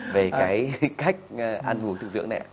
về cái cách ăn uống thực dưỡng này